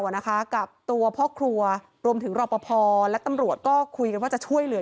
นะคะกับตัวพ่อครัวรวมถึงรอปภและตำรวจก็คุยกันว่าจะช่วยเหลือ